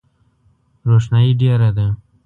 روښنایي ډېره ده .